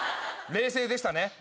冷静でした。